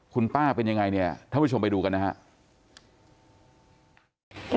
คุณป้าเป็นยังไงเนี่ยท่านผู้ชมไปดูกันนะครับ